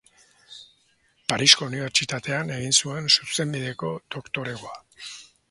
Parisko Unibertsitatean egin zuen zuzenbideko doktoregoa.